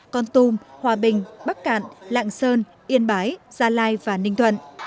con tum hòa bình bắc cạn lạng sơn yên bái gia lai và ninh thuận